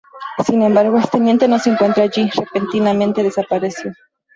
Sin embargo, el teniente no se encuentra allí, repentinamente desapareció.